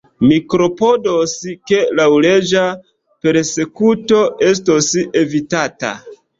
Mi klopodos, ke laŭleĝa persekuto estos evitata.